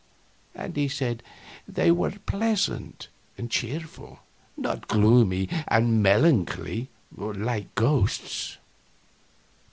And he said they were pleasant and cheerful, not gloomy and melancholy, like ghosts.